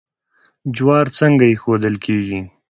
جوار څنګه ایښودل کیږي؟